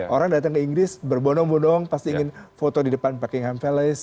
orang datang ke inggris berbonong bonong pasti ingin foto di depan buckingham palace